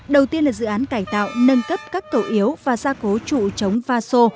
đầu tiên là dự án cải tạo nâng cấp các cầu yếu và gia cố trụ chống va sô